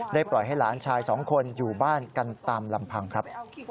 ปล่อยให้หลานชายสองคนอยู่บ้านกันตามลำพังครับ